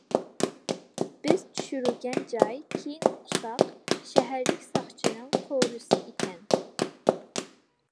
بىز چۈشۈرۈلگەن جاي، كېيىن ئۇقساق، شەھەرلىك ساقچىنىڭ قورۇسى ئىكەن.